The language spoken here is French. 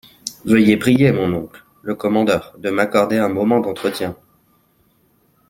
Veuillez prier mon oncle, le commandeur, de m’accorder un moment d’entretien.